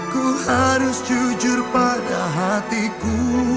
ku harus jujur pada hatiku